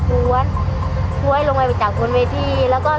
พูดว่าสงสารซึ่งแบบไม่อยากเข็ง